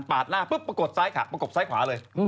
หน้าปุ๊บประกบซ้ายค่ะประกบซ้ายขวาเลย